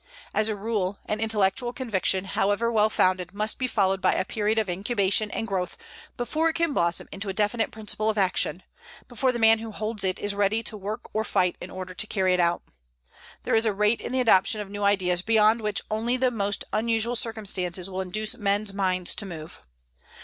As a rule, an intellectual conviction, however well founded, must be followed by a period of incubation and growth before it can blossom into a definite principle of action, before the man who holds it is ready to work or fight in order to carry it out. There is a rate in the adoption of new ideas beyond which only the most unusual circumstances will induce men's minds to move.